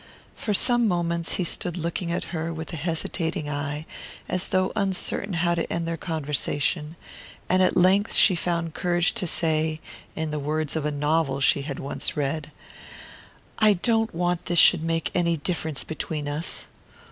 For some moments he stood looking at her with a hesitating eye, as though uncertain how to end their conversation; and at length she found courage to say (in the words of a novel she had once read): "I don't want this should make any difference between us."